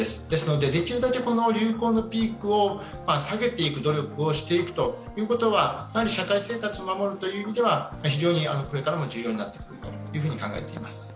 ですのでできるだけ流行のピークを下げていく努力をしていくということは社会生活を守る意味ではこれからも重要になると考えています。